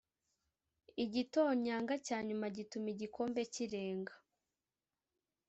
igitonyanga cyanyuma gituma igikombe kirenga.